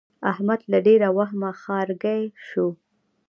احمد له ډېره وهمه ښارګی شو.